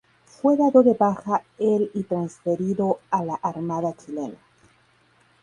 Fue dado de baja el y transferido a la Armada Chilena.